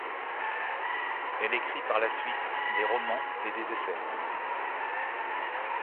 Elle écrit par la suite des romans et des essais.